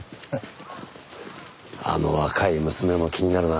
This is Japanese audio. あの若い娘も気になるな。